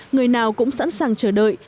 người nào cũng sẵn sàng chờ đợi